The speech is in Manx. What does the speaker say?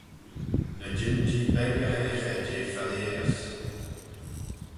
Ny jean-jee beg y hoiaghey jeh phadeyrys.